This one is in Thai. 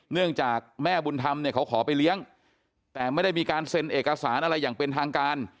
เนื่องจากแม่บุญธรรมเนี่ยเขาขอไปเลี้ยงแต่ไม่ได้มีการเซ็นเอกสารอะไรอย่างเป็นทางการ